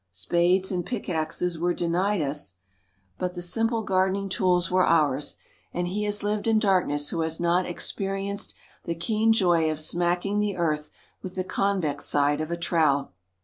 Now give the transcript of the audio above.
Spades and pickaxes were denied us, but the 170 THE DAY BEFORE YESTEEDAY simple gardening tools were ours, and he has lived in darkness who has not experi enced the keen joy of smacking the earth with the convex side of a trowel.